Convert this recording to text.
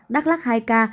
đắk lắc hai ca